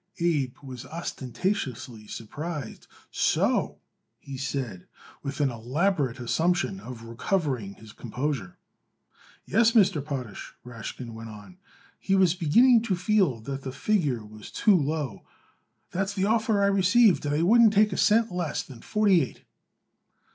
Abe was ostentatiously surprised. "So!" he said, with an elaborate assumption of recovering his composure. "Yes, Mr. Potash," Rashkin went on. He was beginning to feel that the figure was too low. "That's the offer I received and I wouldn't take a cent less than forty eight."